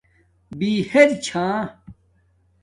بہرچھݳ